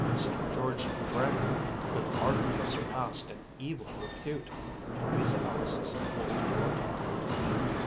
St. George's dragon could hardly have surpassed in evil repute Louisa Ellis's old yellow dog.